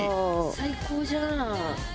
最高じゃん。